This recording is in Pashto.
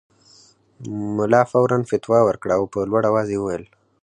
ملا فوراً فتوی ورکړه او په لوړ اواز یې وویل.